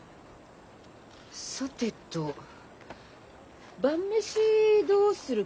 さてと晩飯どうするかね？